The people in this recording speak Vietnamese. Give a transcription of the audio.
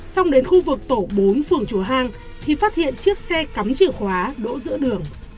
xong đến khu vực tổ bốn phường chùa hang thì phát hiện chiếc xe cắm chìa khóa đỗ giữa đường